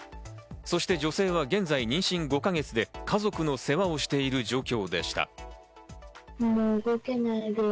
そして女性は現在、妊娠５か月で家族の世話をしている状況でした。